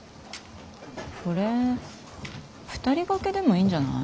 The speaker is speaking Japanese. これ２人掛けでもいいんじゃない？